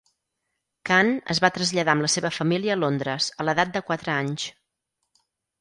Khan es va traslladar amb la seva família a Londres, a l'edat de quatre anys.